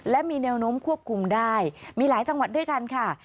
และมีแนวโน้มควบคุมได้มีหลายจังหวัดด้วยกันค่ะ